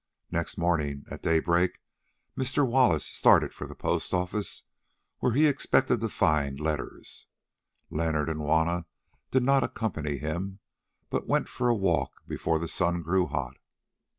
Next morning at daybreak Mr. Wallace started to the post office, where he expected to find letters. Leonard and Juanna did not accompany him, but went for a walk before the sun grew hot.